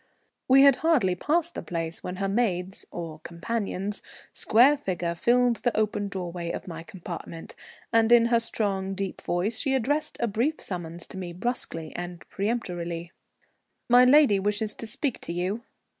We had hardly passed the place when her maid's (or companion's) square figure filled the open doorway of my compartment, and in her strong deep voice she addressed a brief summons to me brusquely and peremptorily: "My lady wishes to speak to you."